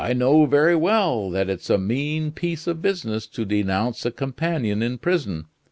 I know very well that it's a mean piece of business to denounce a companion in prison.